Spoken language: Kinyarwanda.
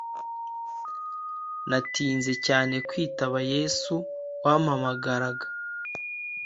Natinze cyane kwitaba yesu wampamagaraga